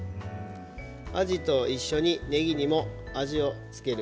あじと一緒にねぎにも味を付ける。